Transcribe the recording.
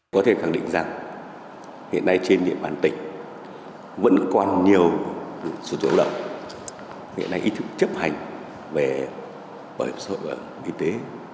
có thể khẳng định rằng hiện nay trên địa bàn tỉnh vẫn còn nhiều số chủ động hiện nay ý thức chấp hành về bảo hiểm xã hội và y tế